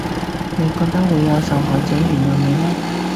你覺得會有受害者原諒你咩？